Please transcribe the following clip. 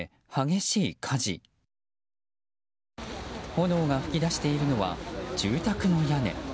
炎が噴き出しているのは住宅の屋根。